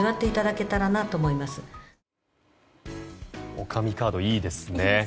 女将カード、いいですね。